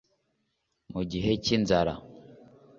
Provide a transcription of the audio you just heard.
mu gihe cy inzara